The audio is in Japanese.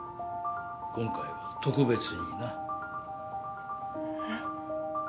今回は特別にな。えっ？